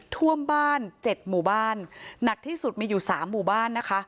ท่วมบ้าน๗หมู่บ้านหนักที่สุดมีอยู่๓หมู่บ้านนะคะ